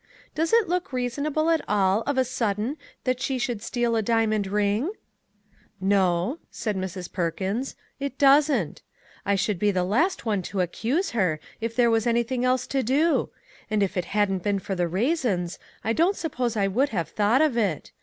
Does it look reasonable that all of a sudden she should steal a diamond ring ?" "No," said Mrs. Perkins, "it doesn't. I should be the last one to accuse her, if there was anything else to do; and if it hadn't been for the raisins, I don't suppose I would have thought of it.